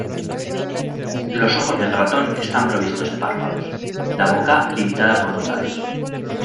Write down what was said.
Los ojos del ratón están provistos de párpados; la boca, limitada por dos labios.